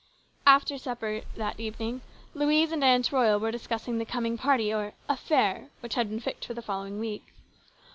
After supper that evening, Louise and Aunt Royal were discussing the coming party or "affair," which had been fixed for the following week.